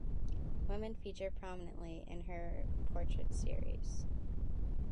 Women feature prominently in her portrait series.